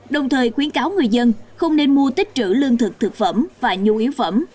đồng thời khuyến cáo người dân không nên mua tích trữ lương thực thực phẩm và nhu yếu phẩm